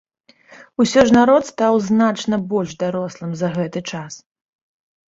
Усё ж народ стаў значна больш дарослым за гэты час.